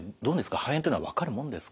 肺炎っていうのは分かるもんですか？